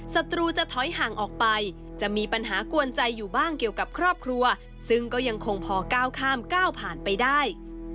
ศัตรูจะถอยห่างออกไปจะมีปัญหากวนใจอยู่บ้างเกี่ยวกับครอบครัวซึ่งก็ยังคงพอก้าวข้ามก้าวผ่านไปได้